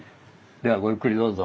ではごゆっくりどうぞ。